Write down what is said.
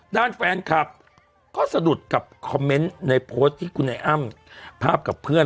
ด้านแฟนคลับก็สะดุดกับคอมเมนต์ในโพสต์ที่คุณไอ้อ้ำภาพกับเพื่อน